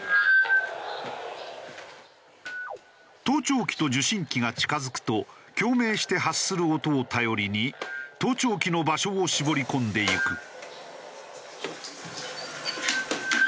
盗聴器と受信機が近付くと共鳴して発する音を頼りに盗聴器の場所を絞り込んでいく。